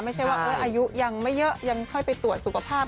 ไม่ใช่ว่าอายุยังไม่เยอะยังค่อยไปตรวจสุขภาพ